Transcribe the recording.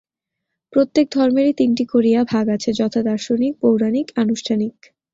প্রত্যেক ধর্মেরই তিনটি করিয়া ভাগ আছে, যথা-দার্শনিক, পৌরাণিক ও আনুষ্ঠানিক।